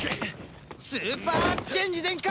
スーパーチェンジ全開！